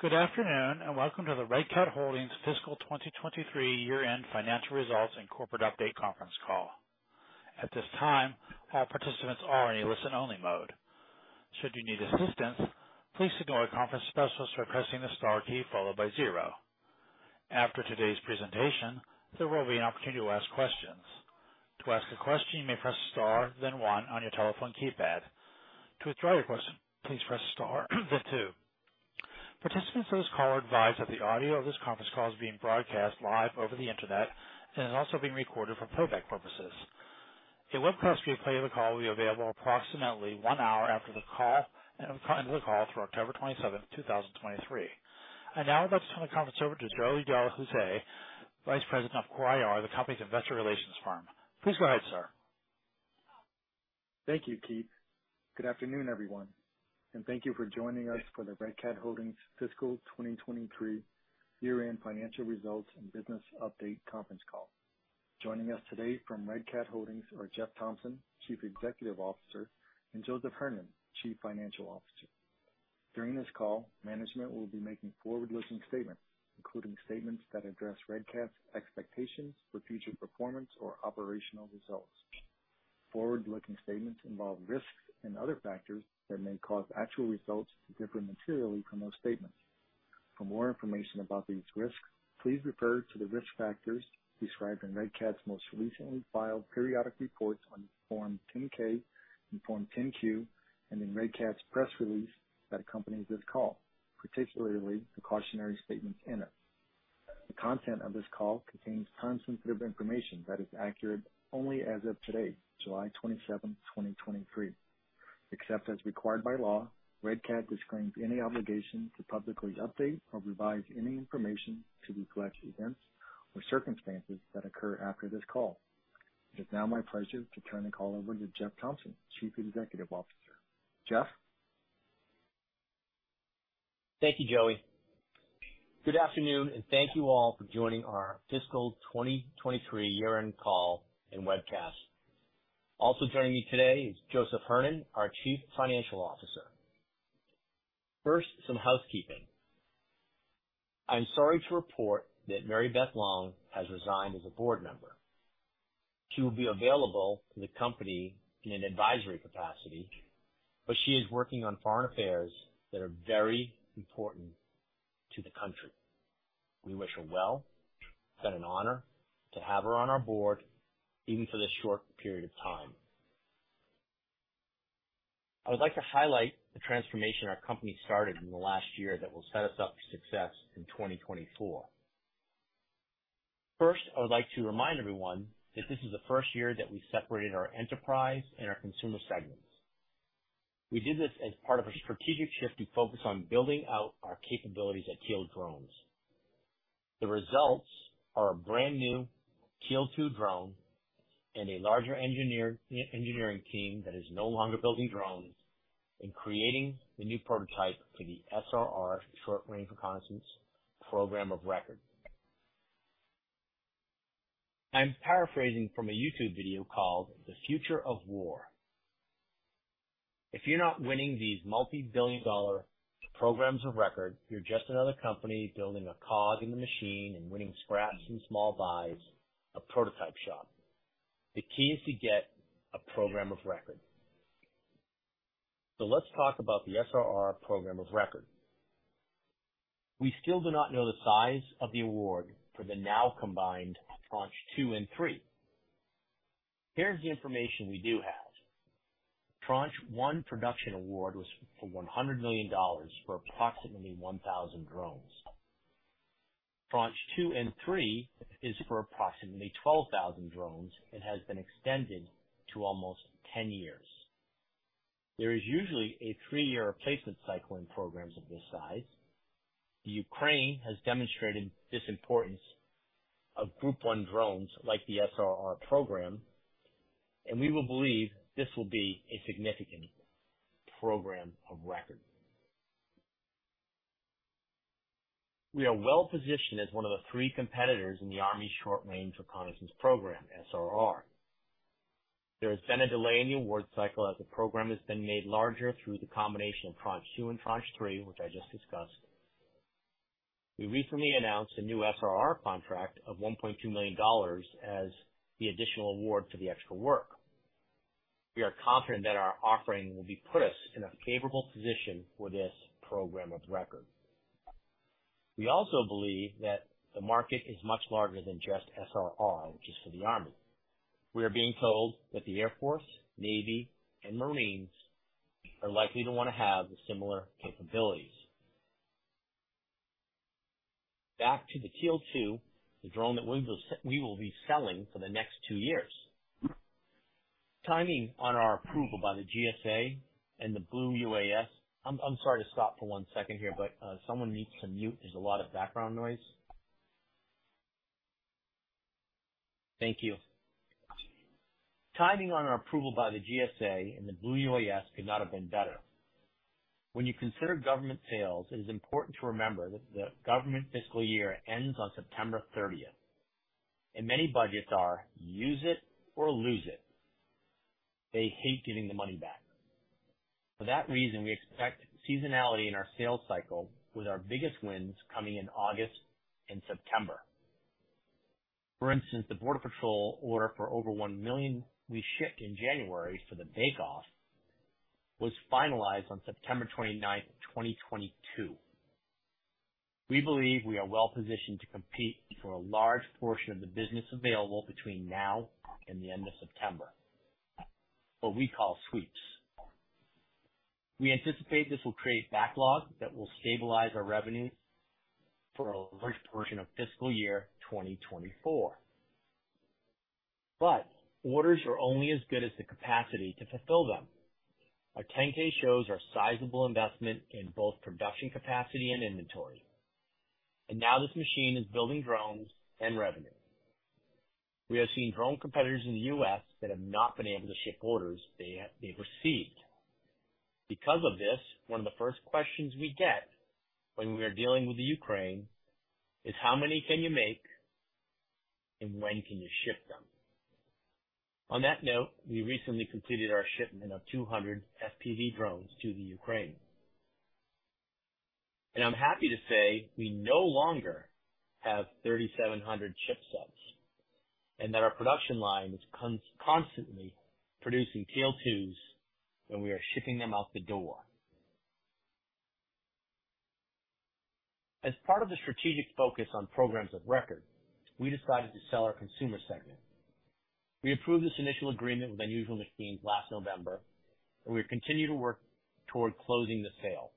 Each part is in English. Good afternoon, and welcome to the Red Cat Holdings Fiscal 2023 Year-End Financial Results and Corporate Update conference call. At this time, all participants are in a listen-only mode. Should you need assistance, please signal a conference specialist by pressing the Star key followed by 0. After today's presentation, there will be an opportunity to ask questions. To ask a question, you may press Star, then one on your telephone keypad. To withdraw your question, please press Star, then two. Participants of this call are advised that the audio of this conference call is being broadcast live over the Internet and is also being recorded for playback purposes. A webcast replay of the call will be available approximately one hour after the call and end of the call through October 27th, 2023. I'd now like to turn the conference over to Joey Delahoussaye, Vice President of CORE IR, the company's investor relations firm. Please go ahead, sir. Thank you, Keith. Good afternoon, everyone, thank you for joining us for the Red Cat Holdings fiscal 2023 year-end financial results and business update conference call. Joining us today from Red Cat Holdings are Jeff Thompson, Chief Executive Officer, and Joseph Hernon, Chief Financial Officer. During this call, management will be making forward-looking statements, including statements that address Red Cat's expectations for future performance or operational results. Forward-looking statements involve risks and other factors that may cause actual results to differ materially from those statements. For more information about these risks, please refer to the risk factors described in Red Cat's most recently filed periodic reports on Form 10-K and Form 10-Q, and in Red Cat's press release that accompanies this call, particularly the cautionary statements in it. The content of this call contains forward-looking information that is accurate only as of today, July 27, 2023. Except as required by law, Red Cat disclaims any obligation to publicly update or revise any information to reflect events or circumstances that occur after this call. It is now my pleasure to turn the call over to Jeff Thompson, Chief Executive Officer. Jeff? Thank you, Joey. Good afternoon, and thank you all for joining our fiscal 2023 year-end call and webcast. Also joining me today is Joseph Hernon, our Chief Financial Officer. First, some housekeeping. I'm sorry to report that Mary Beth Long has resigned as a board member. She will be available to the company in an advisory capacity, but she is working on foreign affairs that are very important to the country. We wish her well. It's been an honor to have her on our board, even for this short period of time. I would like to highlight the transformation our company started in the last year that will set us up for success in 2024. First, I would like to remind everyone that this is the first year that we've separated our enterprise and our consumer segments. We did this as part of a strategic shift to focus on building out our capabilities at Teal Drones. The results are a brand new Teal 2 drone and a larger engineering team that is no longer building drones and creating the new prototype for the SRR Short Range Reconnaissance Program of Record. I'm paraphrasing from a YouTube video called The Future of War. If you're not winning these multi-billion dollar programs of record, you're just another company building a cog in the machine and winning scraps and small buys, a prototype shop. The key is to get a Program of Record. Let's talk about the SRR Program of Record. We still do not know the size of the award for the now combined Tranche 2 and 3. Here's the information we do have. Tranche one production award was for $100 million for approximately 1,000 drones. Tranche two and three is for approximately 12,000 drones and has been extended to almost 10 years. There is usually a three-year replacement cycle in programs of this size. The Ukraine has demonstrated this importance of Group One drones, like the SRR Program, we will believe this will be a significant Program of Record. We are well positioned as one of the three competitors in the Army Short Range Reconnaissance Program, SRR. There has been a delay in the award cycle as the program has been made larger through the combination of Tranche 2 and Tranche 3, which I just discussed. We recently announced a new SRR contract of $1.2 million as the additional award for the extra work. We are confident that our offering will be put us in a favorable position for this Program of Record. We also believe that the market is much larger than just SRR, just for the Army. We are being told that the Air Force, Navy, and Marines are likely to want to have the similar capabilities. Back to the Teal 2, the drone that we will be selling for the next 2 years. Turning on our approval by the GSA and the Blue UAS.I'm sorry to stop for one second here, but someone needs to mute. There's a lot of background noise. Thank you. Timing on our approval by the GSA and the Blue UAS could not have been better. When you consider government sales, it is important to remember that the government fiscal year ends on September 30th, and many budgets are use it or lose it. They hate giving the money back. For that reason, we expect seasonality in our sales cycle, with our biggest wins coming in August and September. For instance, the Border Patrol order for over $1 million we shipped in January for the bake-off was finalized on September 29th, 2022. We believe we are well-positioned to compete for a large portion of the business available between now and the end of September, what we call sweeps. We anticipate this will create backlog that will stabilize our revenue for a large portion of fiscal year 2024. Orders are only as good as the capacity to fulfill them. Our 10-K shows our sizable investment in both production capacity and inventory. Now this machine is building drones and revenue. We have seen drone competitors in the U.S. that have not been able to ship orders they've received. Because of this, one of the first questions we get when we are dealing with the Ukraine is: How many can you make? When can you ship them? On that note, we recently completed our shipment of 200 FPV drones to the Ukraine. I'm happy to say we no longer have 3,700 chipsets, and that our production line is constantly producing Teal 2s, and we are shipping them out the door. As part of the strategic focus on Programs of Record, we decided to sell our consumer segment. We approved this initial agreement with Unusual Machines last November, and we have continued to work toward closing the sale.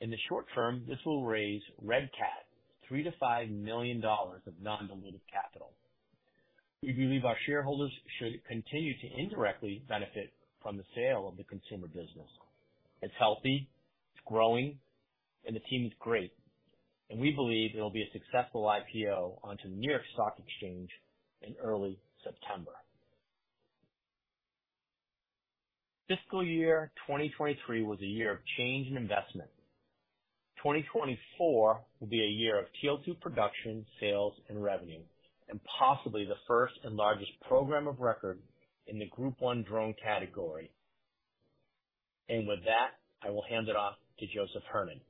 In the short term, this will raise Red Cat $3 million-$5 million of non-dilutive capital. We believe our shareholders should continue to indirectly benefit from the sale of the consumer business. It's healthy, it's growing, and the team is great, and we believe it'll be a successful IPO onto the New York Stock Exchange in early September. Fiscal year 2023 was a year of change and investment. 2024 will be a year of Teal 2 production, sales, and revenue, and possibly the first and largest program of record in the Group One drone category. With that, I will hand it off to Joseph Hernon.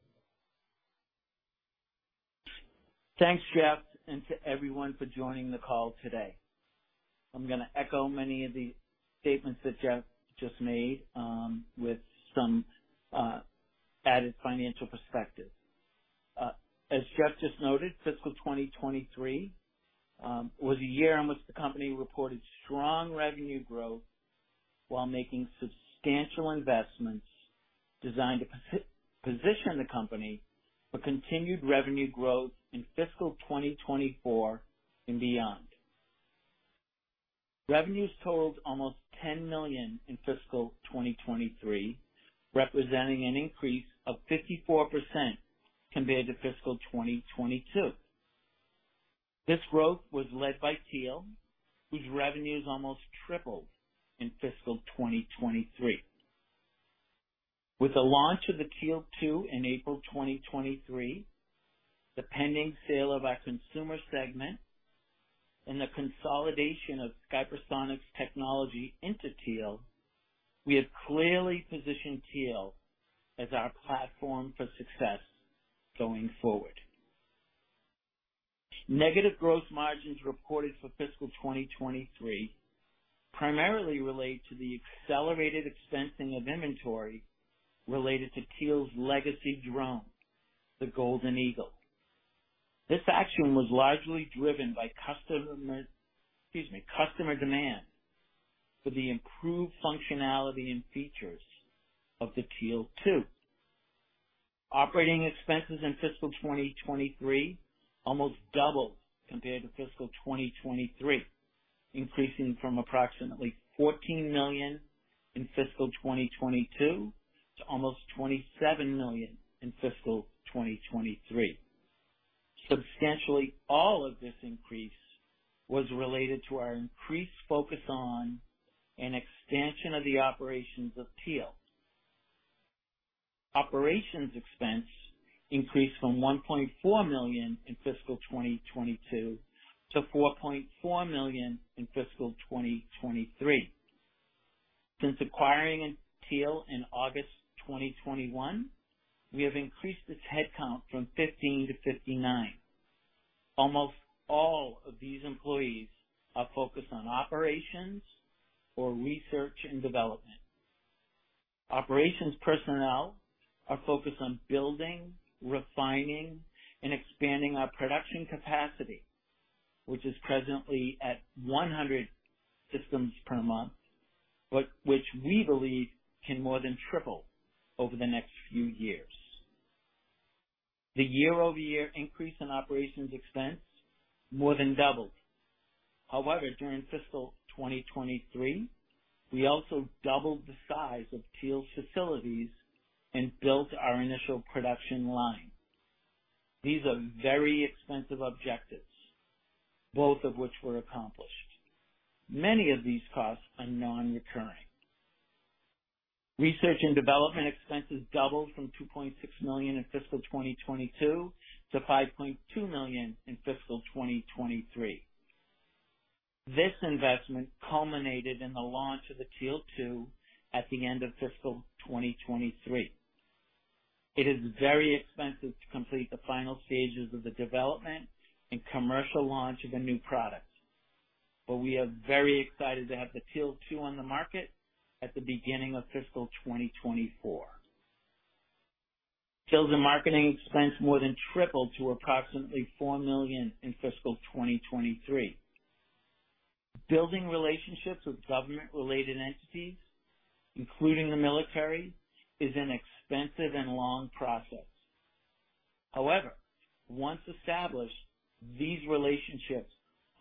Thanks, Jeff, and to everyone for joining the call today. I'm gonna echo many of the statements that Jeff just made, with some added financial perspective. As Jeff just noted, fiscal 2023 was a year in which the company reported strong revenue growth while making substantial investments designed to position the company for continued revenue growth in fiscal 2024 and beyond. Revenues totaled almost $10 million in fiscal 2023, representing an increase of 54% compared to fiscal 2022. This growth was led by Teal, whose revenues almost tripled in fiscal 2023. With the launch of the Teal 2 in April 2023, the pending sale of our consumer segment, and the consolidation of Skypersonic's technology into Teal, we have clearly positioned Teal as our platform for success going forward. Negative growth margins reported for fiscal 2023 primarily relate to the accelerated expensing of inventory related to Teal's legacy drone, the Golden Eagle. This action was largely driven by customer, excuse me, customer demand for the improved functionality and features of the Teal 2. Operating expenses in fiscal 2023 almost doubled compared to fiscal 2023, increasing from approximately $14 million in fiscal 2022 to almost $27 million in fiscal 2023. Substantially, all of this increase was related to our increased focus on an extension of the operations of Teal. Operations expense increased from $1.4 million in fiscal 2022 to $4.4 million in fiscal 2023. Since acquiring Teal in August 2021, we have increased its headcount from 15 to 59. Almost all of these employees are focused on operations or research and development. Operations personnel are focused on building, refining, and expanding our production capacity, which is presently at 100 systems per month, but which we believe can more than triple over the next few years. The year-over-year increase in operations expense more than doubled. However, during fiscal 2023, we also doubled the size of Teal's facilities and built our initial production line. These are very expensive objectives, both of which were accomplished. Many of these costs are non-recurring. Research and development expenses doubled from $2.6 million in fiscal 2022 to $5.2 million in fiscal 2023. This investment culminated in the launch of the Teal 2 at the end of fiscal 2023. It is very expensive to complete the final stages of the development and commercial launch of a new product. We are very excited to have the Teal 2 on the market at the beginning of fiscal 2024. Sales and marketing expense more than tripled to approximately $4 million in fiscal 2023. Building relationships with government-related entities, including the military, is an expensive and long process. However, once established, these relationships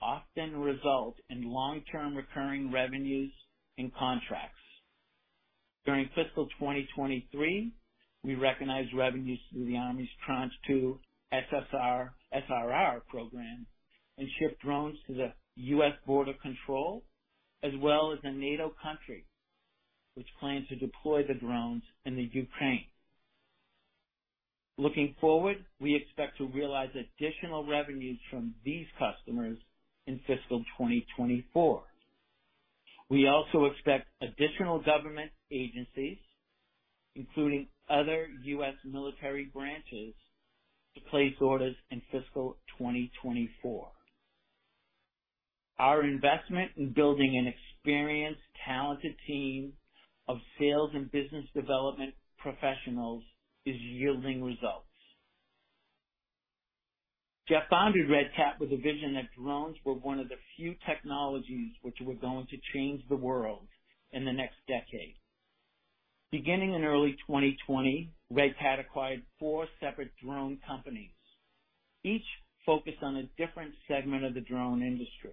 often result in long-term recurring revenues and contracts. During fiscal 2023, we recognized revenues through the Army's Tranche 2 SSR, SRR program, and shipped drones to the U.S. Border Patrol, as well as a NATO country, which planned to deploy the drones in the Ukraine. Looking forward, we expect to realize additional revenues from these customers in fiscal 2024. We also expect additional government agencies, including other U.S. military branches, to place orders in fiscal 2024. Our investment in building an experienced, talented team of sales and business development professionals is yielding results. Jeff founded Red Cat with a vision that drones were one of the few technologies which were going to change the world in the next decade. Beginning in early 2020, Red Cat acquired four separate drone companies, each focused on a different segment of the drone industry.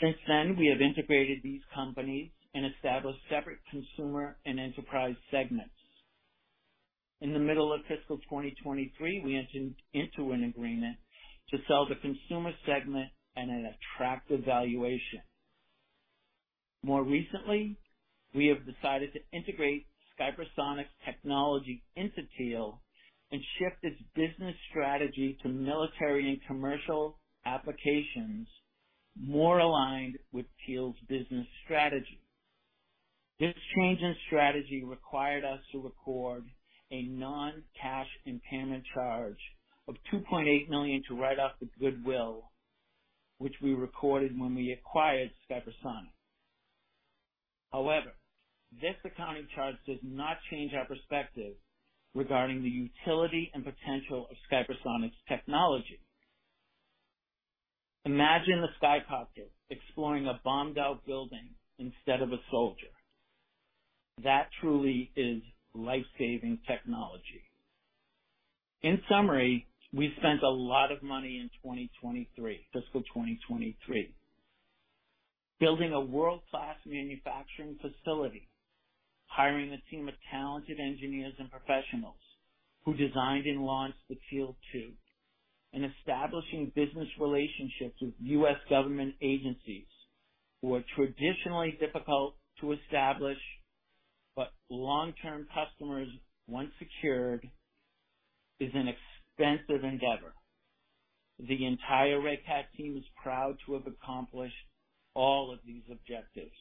Since then, we have integrated these companies and established separate consumer and enterprise segments. In the middle of fiscal 2023, we entered into an agreement to sell the consumer segment at an attractive valuation. More recently, we have decided to integrate Skypersonic's technology into Teal and shift its business strategy to military and commercial applications more aligned with Teal's business strategy. This change in strategy required us to record a non-cash impairment charge of $2.8 million to write off the goodwill which we recorded when we acquired Skypersonic. However, this accounting charge does not change our perspective regarding the utility and potential of Skypersonic's technology. Imagine a Skycopter exploring a bombed out building instead of a soldier. That truly is life-saving technology. In summary, we spent a lot of money in 2023, fiscal 2023, building a world-class manufacturing facility, hiring a team of talented engineers and professionals who designed and launched the Teal 2, and establishing business relationships with U.S. government agencies who are traditionally difficult to establish, but long-term customers, once secured, is an expensive endeavor. The entire Red Cat team is proud to have accomplished all of these objectives.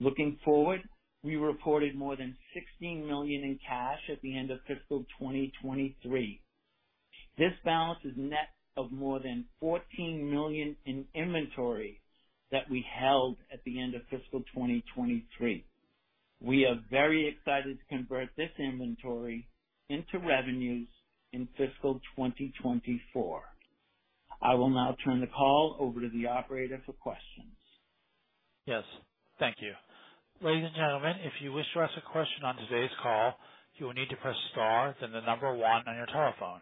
Looking forward, we reported more than $16 million in cash at the end of fiscal 2023. This balance is net of more than $14 million in inventory that we held at the end of fiscal 2023. We are very excited to convert this inventory into revenues in fiscal 2024. I will now turn the call over to the operator for questions. Yes, thank you. Ladies and gentlemen, if you wish to ask a question on today's call, you will need to press Star, then the number one on your telephone.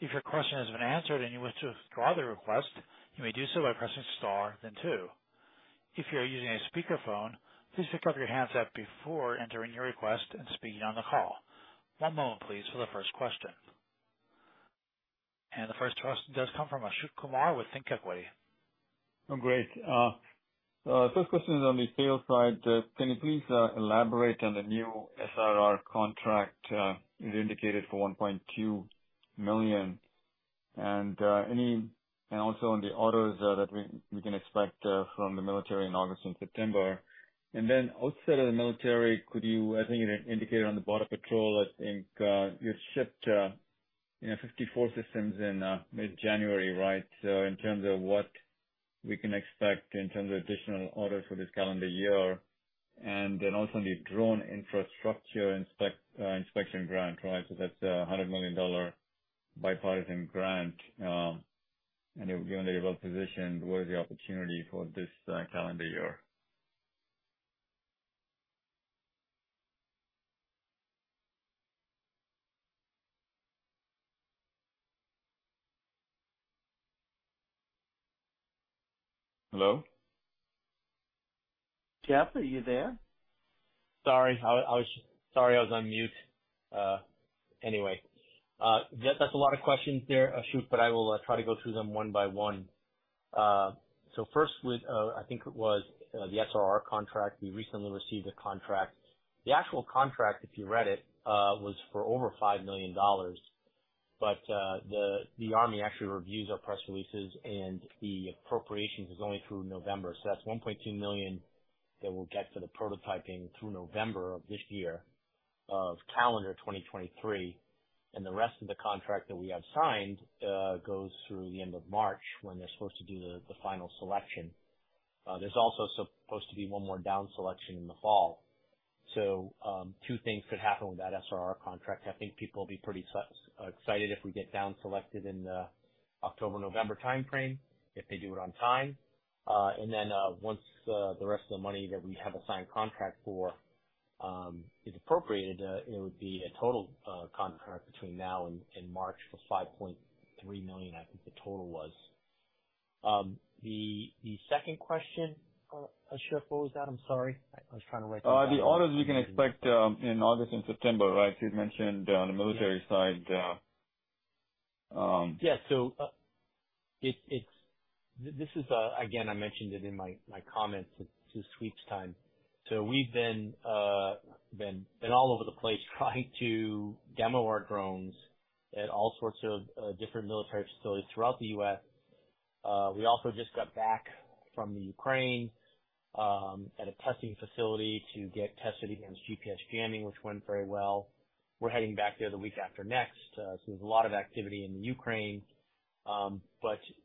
If your question has been answered and you wish to withdraw the request, you may do so by pressing Star, then two. If you are using a speakerphone, please pick up your handset before entering your request and speaking on the call. One moment, please, for the first question. The first question does come from Ashok Kumar with ThinkEquity. Great. First question is on the sales side. Can you please elaborate on the new SRR contract? It indicated for $1.2 million. Also on the orders that we can expect from the military in August and September. Outside of the military, could you, I think you indicated on the U.S. Border Patrol, I think, you shipped, you know, 54 systems in mid-January, right? In terms of what we can expect in terms of additional orders for this calendar year. Also the Drone Infrastructure Inspection Grant, right? That's a $100 million bipartisan grant, and if you're well positioned, what is the opportunity for this calendar year? Hello? Jeff, are you there? Sorry, I was on mute. Anyway, that's a lot of questions there, Ashok, I will try to go through them one by one. First with, I think it was the SRR contract. We recently received a contract. The actual contract, if you read it, was for over $5 million. The Army actually reviews our press releases, and the appropriations is only through November. That's $1.2 million that we'll get for the prototyping through November of this year, of calendar 2023, and the rest of the contract that we have signed, goes through the end of March, when they're supposed to do the final selection. There's also supposed to be one more down selection in the fall. Two things could happen with that SRR contract. I think people will be pretty excited if we get down selected in the October-November time frame, if they do it on time. Then, once the rest of the money that we have a signed contract for, is appropriated, it would be a total contract between now and March for $5.3 million, I think the total was. The second question, Ashok Kumar, what was that? I am sorry. I was trying to write- The orders we can expect in August and September, right? You'd mentioned on the military side. Yeah. This is again, I mentioned it in my comments this week's time. We've been all over the place trying to demo our drones at all sorts of different military facilities throughout the U.S. We also just got back from the Ukraine at a testing facility to get tested against GPS jamming, which went very well. We're heading back there the week after next. There's a lot of activity in the Ukraine.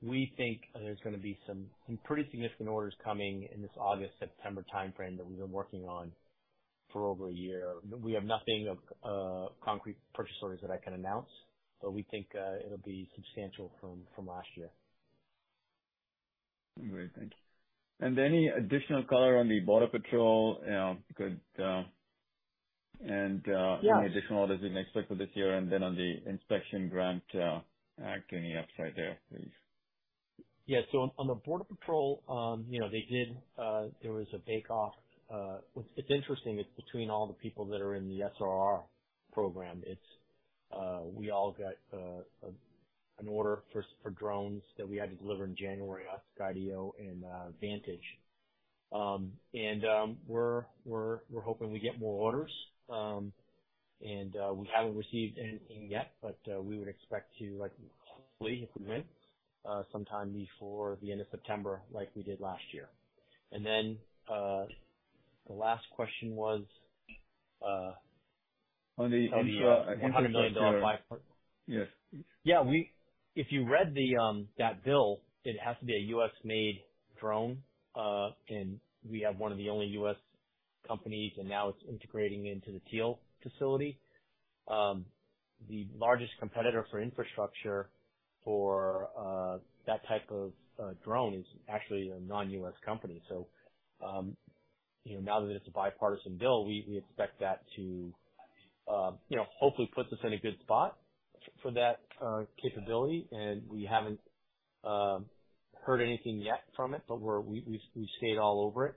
We think there's gonna be some pretty significant orders coming in this August, September time frame that we've been working on for over a year. We have nothing of concrete purchase orders that I can announce, we think it'll be substantial from last year. Great, thank you. Any additional color on the U.S. Border Patrol, good, and. Yeah. Any additional orders we can expect for this year, and then on the Inspection Grant Act, any upside there, please? Yeah. On the Border Patrol, you know, they did, there was a bake-off. It's interesting, it's between all the people that are in the SRR program. It's, we all got an order for drones that we had to deliver in January, Skydio and Vantage. We're hoping we get more orders. We haven't received anything yet, but, we would expect to, like, hopefully, if we win, sometime before the end of September, like we did last year. The last question was. On the infra- On the $100 million bipartisan. Yes. Yeah, if you read the that bill, it has to be a US-made drone. We have one of the only U.S. companies, and now it's integrating into the Teal facility. The largest competitor for infrastructure for that type of drone is actually a non-U.S. company. You know, now that it's a bipartisan bill, we expect that to, you know, hopefully puts us in a good spot for that capability. We haven't heard anything yet from it, but we've stayed all over it.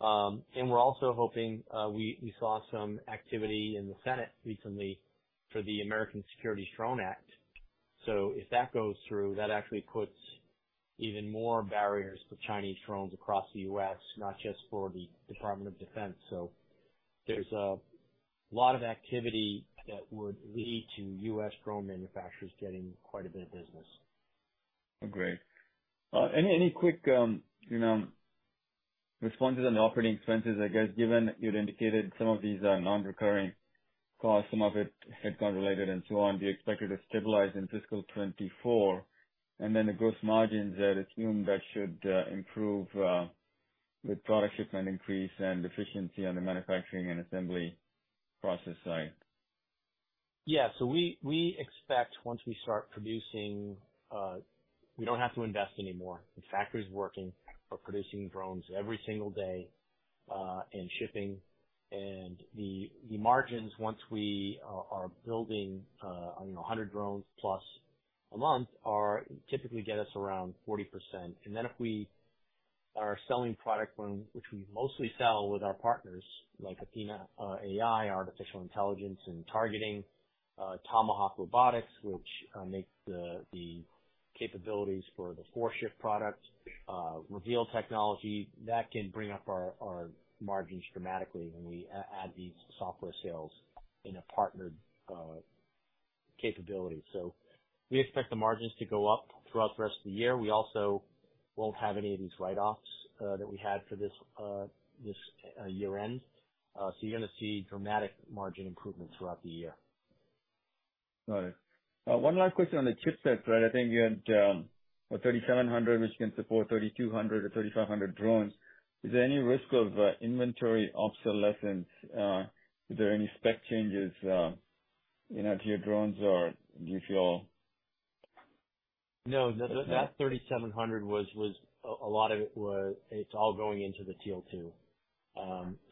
We're also hoping we saw some activity in the Senate recently for the American Security Drone Act. If that goes through, that actually puts even more barriers to Chinese drones across the U.S., not just for the Department of Defense. There's a lot of activity that would lead to U.S. drone manufacturers getting quite a bit of business. Great. Any quick, you know, responses on the operating expenses? I guess, given you'd indicated some of these are non-recurring costs, some of it headcount related and so on, do you expect it to stabilize in fiscal 2024? The gross margins, I'd assume that should improve with product shipment increase and efficiency on the manufacturing and assembly process side. Yeah. We expect once we start producing, we don't have to invest anymore. The factory is working, we're producing drones every single day and shipping. The margins, once we are building, you know, 100 drones plus a month, typically get us around 40%. If we are selling product, which we mostly sell with our partners, like Athena AI, Artificial Intelligence and Targeting, Tomahawk Robotics, which make the capabilities for the fore ship product, Reveal Technology, that can bring up our margins dramatically when we add these software sales in a partnered capability. We expect the margins to go up throughout the rest of the year. We also won't have any of these write-offs that we had for this year-end. You're gonna see dramatic margin improvements throughout the year. Got it. One last question on the chipset. I think you had 3,700, which can support 3,200 or 3,500 drones. Is there any risk of inventory obsolescence? Is there any spec changes, you know, to your drones, or do you feel- No, the, that 3,700 was, a lot of it was, it's all going into the Teal 2.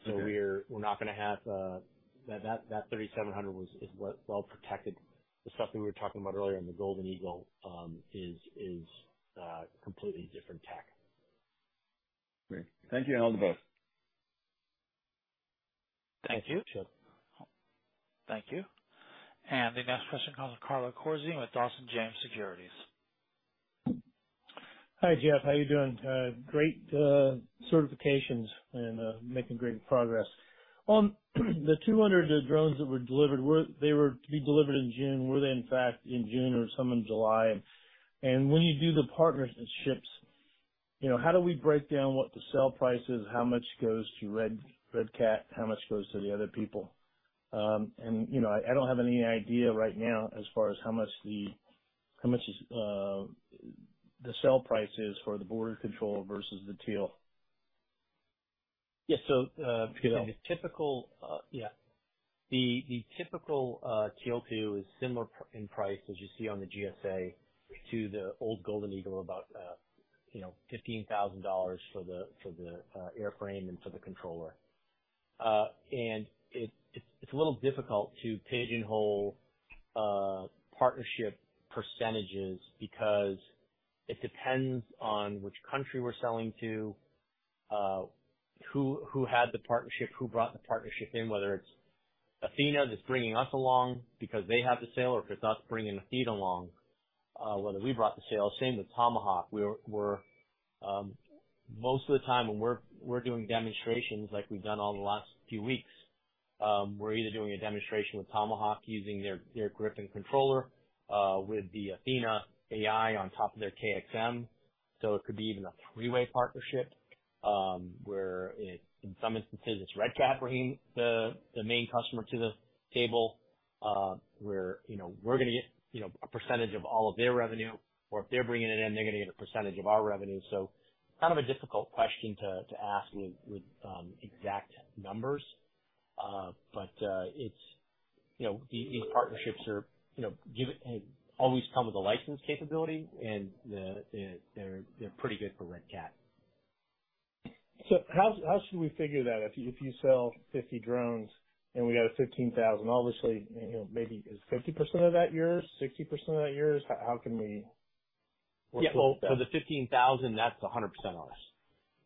Okay. We're not gonna have. That 3,700 is well protected. The stuff that we were talking about earlier in the Golden Eagle is completely different tech. Great. Thank you. All the best.... Thank you, Chip. Thank you. The next question comes from Carlo Corsi with Dawson James Securities. Hi, Jeff. How are you doing? Great certifications and making great progress. On the 200 drones that were delivered, they were to be delivered in June. Were they in fact in June or some in July? When you do the partnerships, you know, how do we break down what the sell price is, how much goes to Red Cat, how much goes to the other people? You know, I don't have any idea right now as far as how much the, how much is the sell price is for the border control versus the Teal. Yes. The typical Teal 2 is similar in price, as you see on the GSA, to the old Golden Eagle, about $15,000 for the airframe and for the controller. And it's a little difficult to pigeonhole partnership percentages because it depends on which country we're selling to, who had the partnership, who brought the partnership in, whether it's Athena that's bringing us along because they have the sale, or if it's us bringing Athena along, whether we brought the sale. Same with Tomahawk. We're most of the time when we're doing demonstrations like we've done over the last few weeks, we're either doing a demonstration with Tomahawk using their Grip controller, with the Athena AI on top of their KxM, so it could be even a three-way partnership, where in some instances, it's Red Cat bringing the main customer to the table, where, you know, we're gonna get, you know, a percentage of all of their revenue, or if they're bringing it in, they're gonna get a percentage of our revenue. Kind of a difficult question to ask with exact numbers. It's, you know, these partnerships are, you know, give it always come with a license capability, and the they're pretty good for Red Cat. How should we figure that? If you sell 50 drones and we got a $15,000, obviously, you know, maybe is 50% of that yours, 60% of that yours? how can we Yeah. The $15,000, that's 100% ours.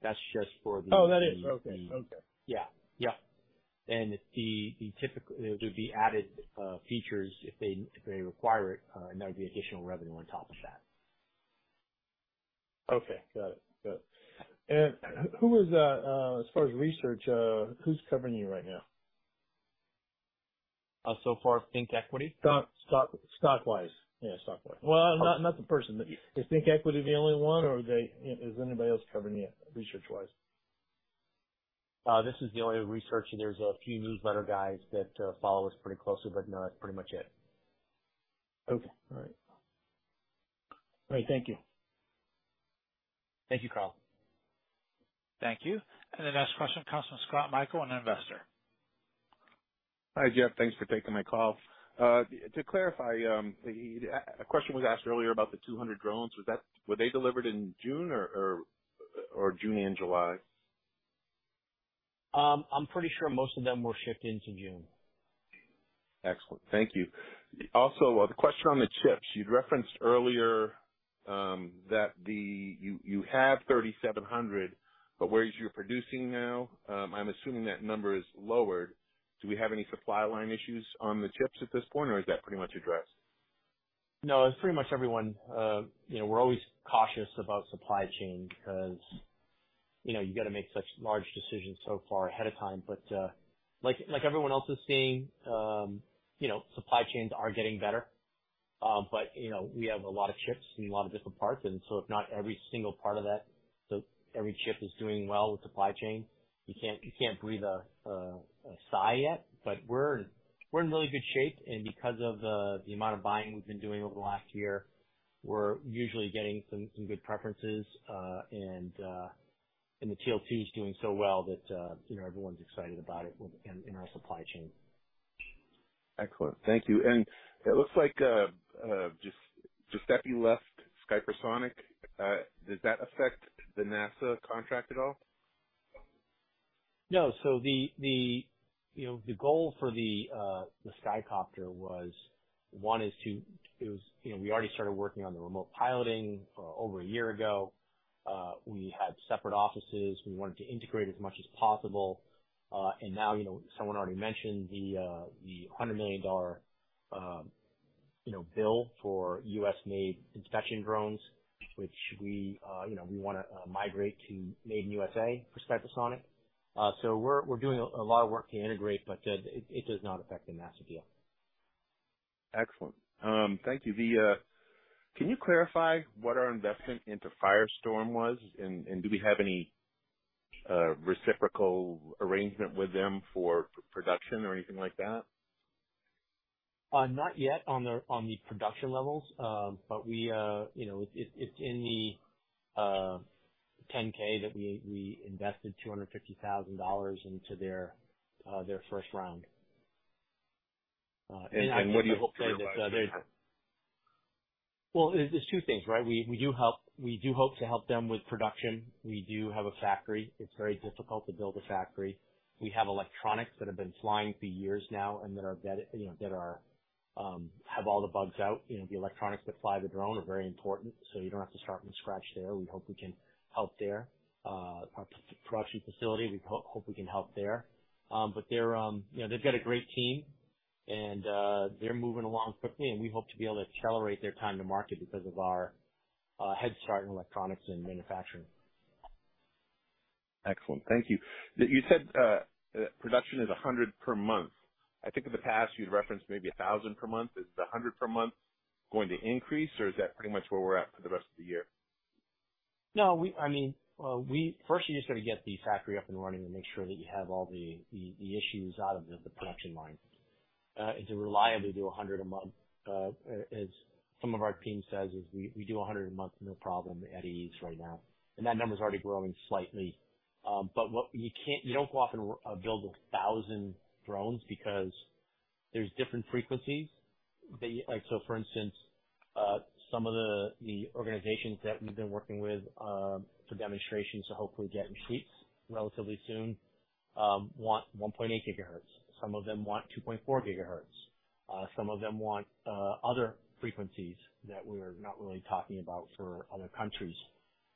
That's just for. Oh, that is. Okay. Okay. Yeah. Yeah. The typical... There'll be added features if they require it, and that would be additional revenue on top of that. Okay, got it. Good. Who is as far as research, who's covering you right now? So far, ThinkEquity. StockWise. Yeah, StockWise. Well, not the person. Is ThinkEquity the only one, or is anybody else covering you research-wise? This is the only research. There's a few newsletter guys that follow us pretty closely. No, that's pretty much it. Okay. All right. All right, thank you. Thank you, Carlo. Thank you. The next question comes from Scott Michael, an investor. Hi, Jeff. Thanks for taking my call. To clarify, a question was asked earlier about the 200 drones. Were they delivered in June or June and July? I'm pretty sure most of them were shipped into June. Excellent. Thank you. A question on the chips. You'd referenced earlier that you have 3,700, but where you're producing now, I'm assuming that number is lower. Do we have any supply line issues on the chips at this point, or is that pretty much addressed? No, it's pretty much everyone, you know, we're always cautious about supply chain because, you know, you got to make such large decisions so far ahead of time. Like everyone else is seeing, you know, supply chains are getting better. You know, we have a lot of chips and a lot of different parts, and so if not every single part of that, so every chip is doing well with supply chain, you can't breathe a sigh yet, but we're in really good shape, and because of the amount of buying we've been doing over the last year, we're usually getting some good preferences. The TLT is doing so well that, you know, everyone's excited about it in our supply chain. Excellent. Thank you. It looks like Giuseppe left Skypersonic. Does that affect the NASA contract at all? No. The, you know, the goal for the Skycopter was, one, is to. It was, you know, we already started working on the remote piloting, over a year ago. We had separate offices. We wanted to integrate as much as possible. Now, you know, someone already mentioned the $100 million, you know, bill for U.S.-made inspection drones, which we, you know, we wanna, migrate to made in U.S.A. for Skypersonic. We're doing a lot of work to integrate, but it does not affect the NASA deal. Excellent. Thank you. Can you clarify what our investment into Firestorm was? Do we have any reciprocal arrangement with them for production or anything like that? not yet on the, on the production levels. We, you know, it's in the 10-K that we invested $250,000 into their first round. I hope that there's. What do you hope to get back? There's two things, right? We do help, we do hope to help them with production. We do have a factory. It's very difficult to build a factory. We have electronics that have been flying for years now and that are, you know, that are have all the bugs out. You know, the electronics that fly the drone are very important, so you don't have to start from scratch there. We hope we can help there. Our production facility, we hope we can help there. they're, you know, they've got a great team, and they're moving along quickly, and we hope to be able to accelerate their time to market because of our head start in electronics and manufacturing. Excellent. Thank you. You said, production is 100 per month. I think in the past, you'd referenced maybe 1,000 per month. Is the 100 per month going to increase, or is that pretty much where we're at for the rest of the year? I mean, well, first, you just got to get the factory up and running and make sure that you have all the issues out of the production line. To reliably do 100 a month, as some of our team says, is we do 100 a month, no problem at ease right now, and that number is already growing slightly. What you don't go off and build 1,000 drones because there's different frequencies. For instance, some of the organizations that we've been working with for demonstrations to hopefully get in sheets relatively soon, want 1.8 GHz. Some of them want 2.4 GHz. Some of them want other frequencies that we're not really talking about for other countries.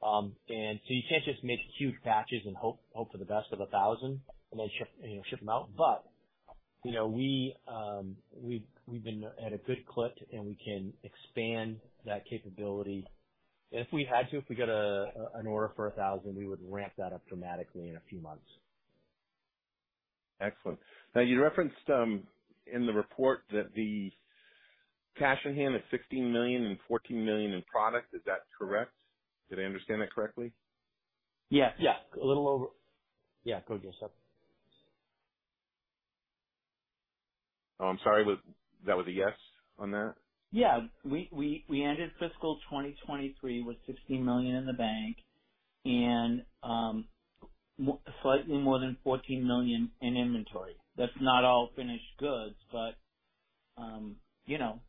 You can't just make huge batches and hope for the best of 1,000 and then ship, you know, ship them out. You know, we've been at a good clip, and we can expand that capability. If we had to, if we get an order for 1,000, we would ramp that up dramatically in a few months. Excellent. Now, you referenced in the report that the cash on hand is $16 million and $14 million in product. Is that correct? Did I understand that correctly? Yeah, yeah, a little over. Yeah, go ahead, Joseph. Oh, I'm sorry, was that was a yes on that? Yeah, we ended fiscal 2023 with $16 million in the bank and slightly more than $14 million in inventory. That's not all finished goods, but, you know,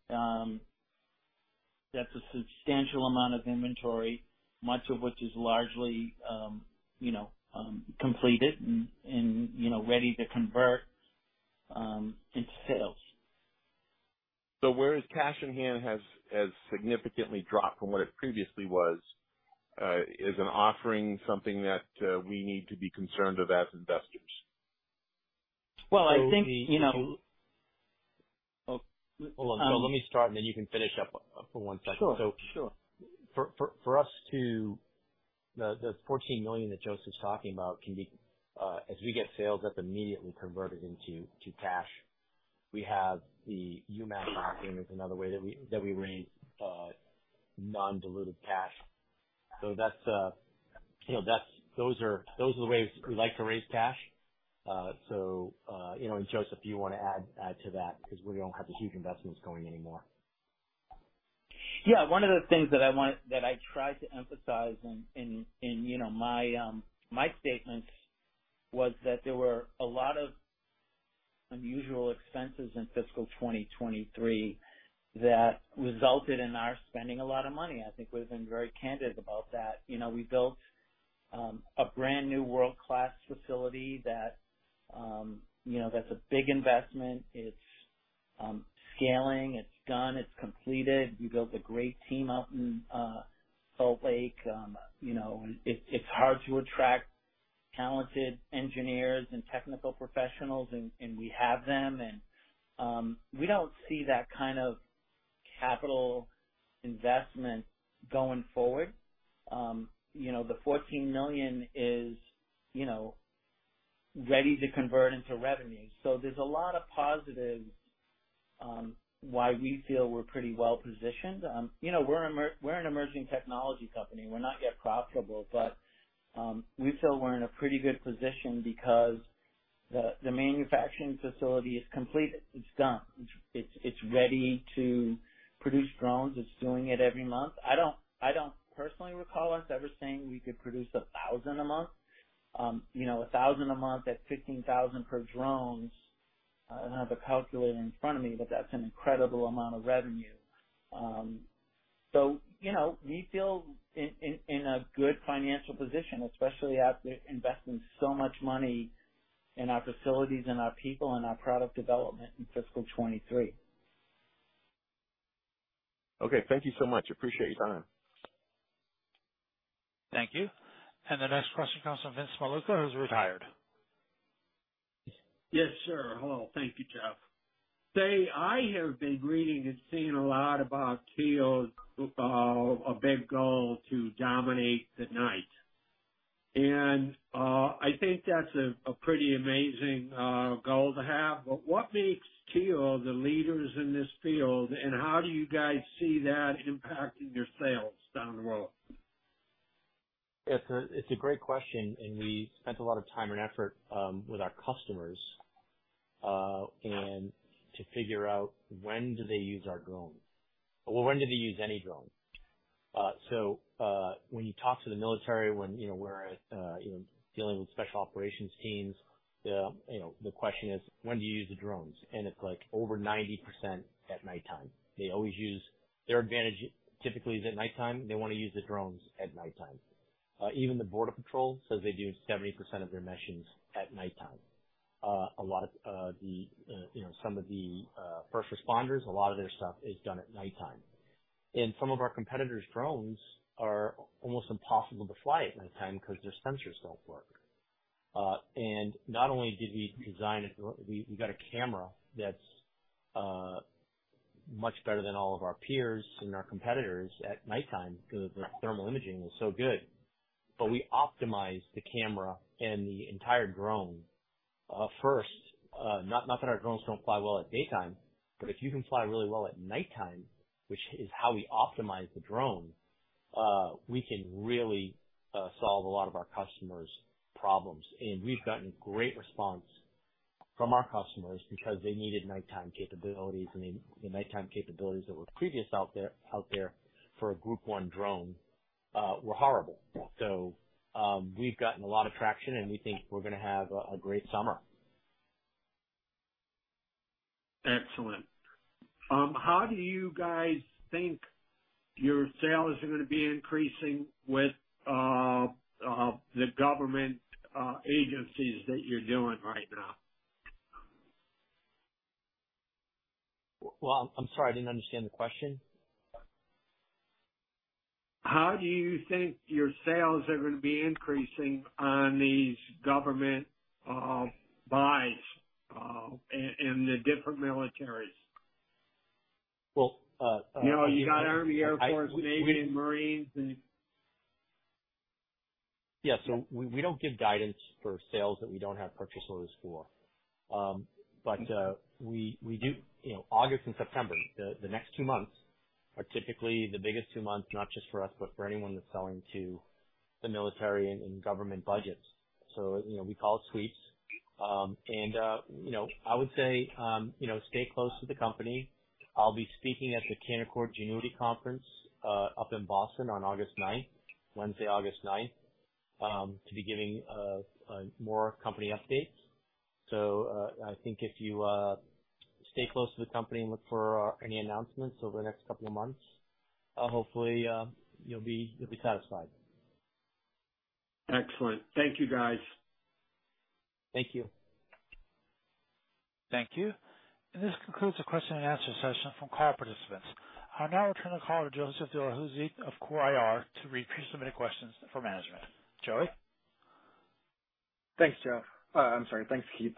that's a substantial amount of inventory, much of which is largely, you know, completed and, you know, ready to convert into sales. Whereas cash on hand has significantly dropped from what it previously was, is an offering something that we need to be concerned with as investors? Well, I think, you know. Hold on. Let me start, and then you can finish up for one second. Sure, sure. For us to. The $14 million that Joseph's talking about can be, as we get sales, that's immediately converted into cash. We have the UMAC marketing is another way that we raise non-dilutive cash. That's, you know, those are the ways we like to raise cash. You know, Joseph, you want to add to that, because we don't have the huge investments going anymore. Yeah, one of the things that I tried to emphasize in, you know, my statements was that there were a lot of unusual expenses in fiscal 2023 that resulted in our spending a lot of money. I think we've been very candid about that. You know, we built a brand-new world-class facility that, you know, that's a big investment. It's scaling. It's done. It's completed. We built a great team out in Salt Lake. You know, it's hard to attract talented engineers and technical professionals, and we have them. We don't see that kind of capital investment going forward. You know, the $14 million is, you know, ready to convert into revenue. There's a lot of positives, why we feel we're pretty well positioned. You know, we're. We're an emerging technology company. We're not yet profitable. We feel we're in a pretty good position because the manufacturing facility is completed. It's done. It's ready to produce drones. It's doing it every month. I don't personally recall us ever saying we could produce 1,000 a month. You know, 1,000 a month at $15,000 per drones. I don't have a calculator in front of me. That's an incredible amount of revenue. You know, we feel in a good financial position, especially after investing so much money in our facilities and our people and our product development in fiscal 2023. Okay. Thank you so much. Appreciate your time. Thank you. The next question comes from Vince Maluca, who's retired. Yes, sir. Hello. Thank you, Jeff. Say, I have been reading and seeing a lot about Teal's, a big goal to dominate the night. I think that's a pretty amazing goal to have. What makes Teal the leaders in this field, and how do you guys see that impacting your sales down the road? It's a great question. We spent a lot of time and effort, with our customers, and to figure out when do they use our drones? When do they use any drone? When you talk to the military, when, you know, we're at, you know, dealing with special operations teams, the, you know, question is, when do you use the drones? It's, like, over 90% at nighttime. They always use, their advantage, typically, is at nighttime. They want to use the drones at nighttime. Even the Border Patrol says they do 70% of their missions at nighttime. A lot of, you know, some of the first responders, a lot of their stuff is done at nighttime. Some of our competitors' drones are almost impossible to fly at nighttime because their sensors don't work. Not only did we design it, we got a camera that's much better than all of our peers and our competitors at nighttime, because the thermal imaging is so good. We optimized the camera and the entire drone first. Not that our drones don't fly well at daytime, but if you can fly really well at nighttime, which is how we optimize the drone, we can really solve a lot of our customers' problems. We've gotten great response from our customers because they needed nighttime capabilities, and the nighttime capabilities that were previously out there for a Group One drone were horrible. We've gotten a lot of traction, and we think we're gonna have a great summer. Excellent. How do you guys think your sales are gonna be increasing with the government agencies that you're doing right now? I'm sorry, I didn't understand the question. How do you think your sales are going to be increasing on these government buys in the different militaries? Well. You know, you got Army, Air Force, Navy, Marines, and... Yes. We don't give guidance for sales that we don't have purchase orders for. We do, you know, August and September, the next two months, are typically the biggest two months, not just for us, but for anyone that's selling to the military and government budgets. We call it sweeps. I would say, you know, stay close to the company. I'll be speaking at the Canaccord Genuity conference, up in Boston on August ninth, Wednesday, August ninth, to be giving more company updates. I think if you stay close to the company and look for any announcements over the next couple of months, hopefully, you'll be satisfied. Excellent. Thank you, guys. Thank you. Thank you. This concludes the question and answer session from call participants. I'll now return the call to Joey Delahoussaye, of CORE IR, to read pre-submitted questions for management. Joey? Thanks, Jeff. I'm sorry. Thanks, Keith.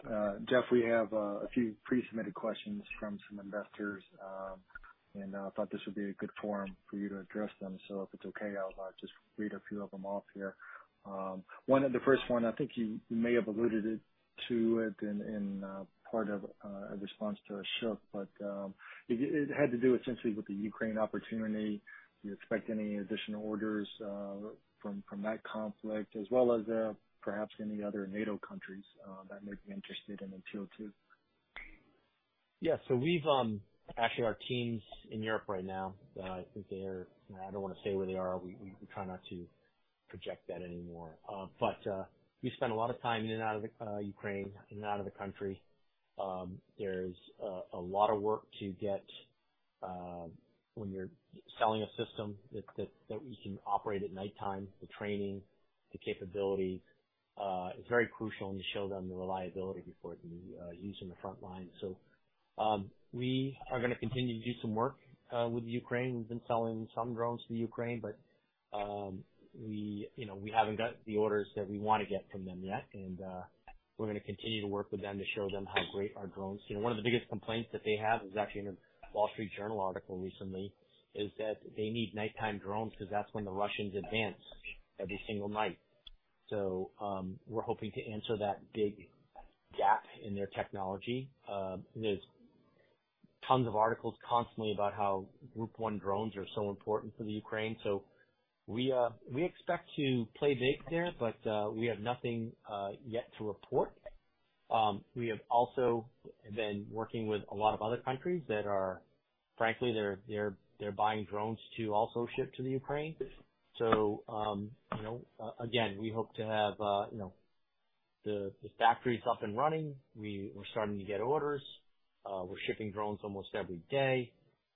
Jeff, we have a few pre-submitted questions from some investors. I thought this would be a good forum for you to address them. If it's okay, I'll just read a few of them off here. One of the first one, I think you may have alluded to it in part of a response to Ashok, it had to do essentially with the Ukraine opportunity. Do you expect any additional orders from that conflict, as well as perhaps any other NATO countries that may be interested in the 202? Yeah. We've actually our team's in Europe right now. I don't want to say where they are. We try not to project that anymore. We spend a lot of time in and out of Ukraine, in and out of the country. There's a lot of work to get when you're selling a system that you can operate at nighttime. The training, the capability, it's very crucial, you show them the reliability before it can be used in the front line. We are gonna continue to do some work with Ukraine. We've been selling some drones to Ukraine, we, you know, we haven't got the orders that we want to get from them yet. We're gonna continue to work with them to show them how great our drones. You know, one of the biggest complaints that they have, is actually in a Wall Street Journal article recently, is that they need nighttime drones, because that's when the Russians advance, every single night. We're hoping to answer that big gap in their technology. There's tons of articles constantly about how Group One drones are so important for the Ukraine. We expect to play big there, we have nothing yet to report. We have also been working with a lot of other countries that are frankly, they're buying drones to also ship to the Ukraine. You know, again, we hope to have, you know, the factory is up and running. We're starting to get orders. We're shipping drones almost every day.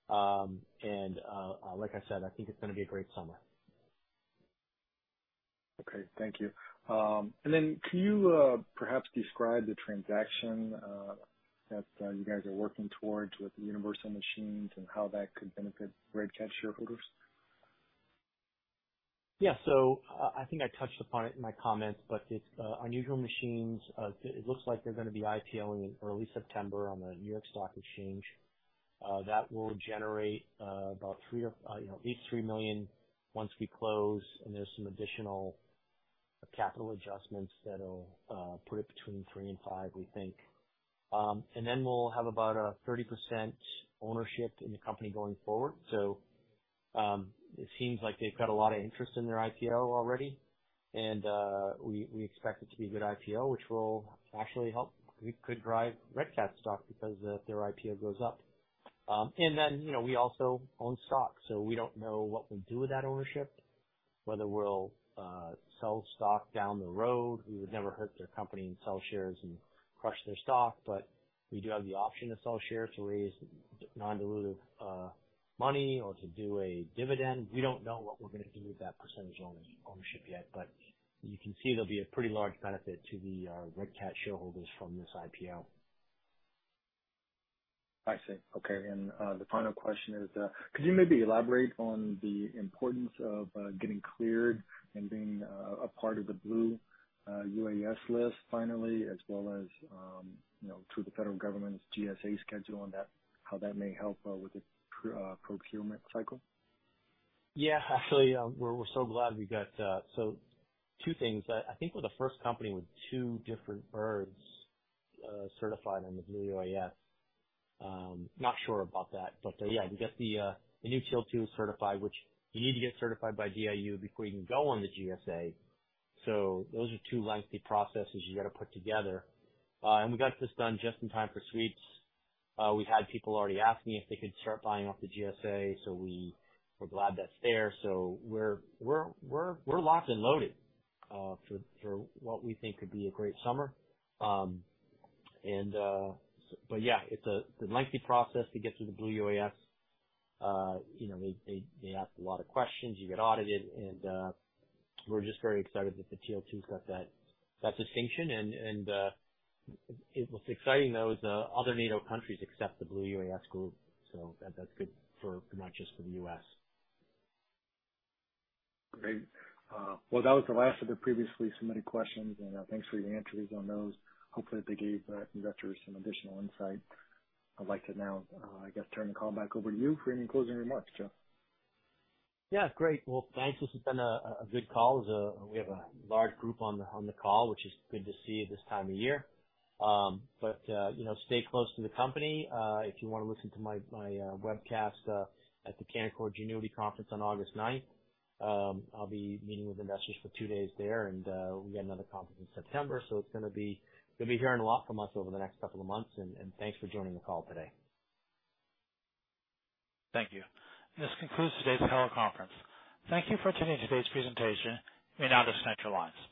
Like I said, I think it's gonna be a great summer. Okay. Thank you. Can you perhaps describe the transaction that you guys are working towards with the Unusual Machines and how that could benefit Red Cat shareholders? Yeah. I think I touched upon it in my comments, but it's on Unusual Machines, it looks like they're gonna be IPO in early September on the New York Stock Exchange. That will generate about $3 million or, you know, at least $3 million once we close, and there's some additional capital adjustments that'll put it between $3 million and $5 million, we think. We'll have about a 30% ownership in the company going forward. It seems like they've got a lot of interest in their IPO already, and we expect it to be a good IPO, which will actually help. We could drive Red Cat's stock because their IPO goes up. You know, we also own stock, so we don't know what we do with that ownership. Whether we'll sell stock down the road. We would never hurt their company and sell shares and crush their stock, but we do have the option to sell shares to raise non-dilutive money or to do a dividend. We don't know what we're gonna do with that percentage ownership yet, but you can see there'll be a pretty large benefit to the Red Cat shareholders from this IPO. I see. Okay. The final question is, could you maybe elaborate on the importance of, getting cleared and being, a part of the Blue UAS list finally, as well as, you know, through the federal government's GSA schedule and that, how that may help, with the procurement cycle? Yeah, actually, we're so glad we got... Two things. I think we're the first company with two different birds certified on the Blue UAS. Not sure about that, but yeah, we got the new Teal 2 certified, which you need to get certified by DIU before you can go on the GSA. Those are two lengthy processes you got to put together. We got this done just in time for sweeps. We've had people already asking if they could start buying off the GSA, so we're glad that's there. We're locked and loaded for what we think could be a great summer. Yeah, it's a lengthy process to get to the Blue UAS. You know, they ask a lot of questions, you get audited, and we're just very excited that the Teal 2 got that distinction, and what's exciting, though, is other NATO countries accept the Blue UAS group, so that's good for not just for the U.S. Great. Well, that was the last of the previously submitted questions. Thanks for your answers on those. Hopefully, they gave investors some additional insight. I'd like to now, I guess, turn the call back over to you for any closing remarks, Joe. Yeah, great. Well, thanks. This has been a good call. We have a large group on the call, which is good to see at this time of year. You know, stay close to the company. If you wanna listen to my webcast at the Canaccord Genuity conference on August ninth, I'll be meeting with investors for two days there. We got another conference in September. You'll be hearing a lot from us over the next couple of months, and thanks for joining the call today. Thank you. This concludes today's teleconference. Thank you for attending today's presentation in out of central lines.